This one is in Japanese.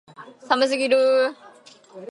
寒すぎる